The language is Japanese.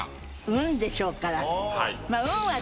運でしょうから。